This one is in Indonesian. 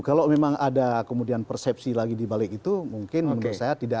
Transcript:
kalau memang ada kemudian persepsi lagi dibalik itu mungkin menurut saya tidak